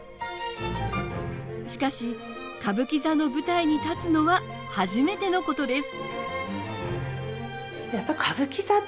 しかし、歌舞伎座の舞台に立つのは初めてのことです。